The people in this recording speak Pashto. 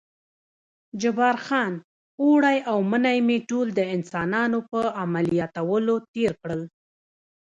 جبار خان: اوړی او منی مې ټول د انسانانو په عملیاتولو تېر کړل.